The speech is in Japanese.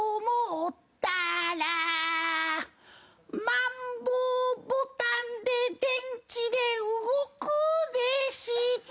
「マンボウボタンで電池で動くでした」